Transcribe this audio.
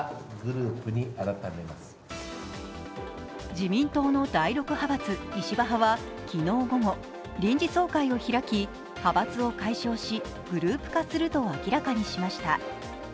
自民党の第６派閥、石破派は昨日午後、臨時総会を開き、派閥を解消し、グループ化すると明らかにしました。